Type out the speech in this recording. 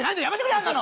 あんなの。